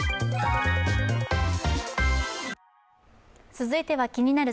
続いては「気になる！